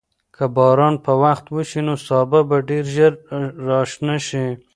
که باران په وخت وشي، نو سابه به ډېر ژر راشنه شي.